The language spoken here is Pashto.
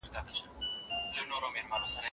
کاش تاته ما پخوا دا خبره کړې وای.